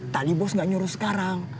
tadi bos gak nyuruh sekarang